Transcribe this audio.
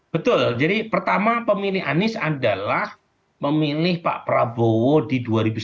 betul jadi pertama pemilih anies adalah memilih pak prabowo di dua ribu sembilan belas